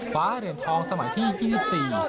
ฟ้าเหรียญทองสมัยที่ที่๑๔